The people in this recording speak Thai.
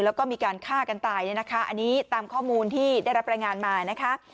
แล้วก็มีการฆ่ากันตายเนี่ยนะคะอันนี้ตามข้อมูลที่ได้รับรายงานมานะคะ